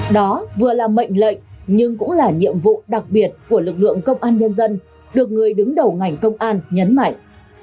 đó vừa là mệnh lệnh nhưng cũng là nhiệm vụ đặc biệt của lực lượng công an nhân dân được người đứng đầu ngành công an nhấn mạnh